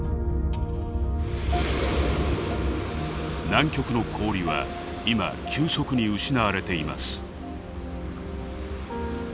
南極の氷は今急速に失われています。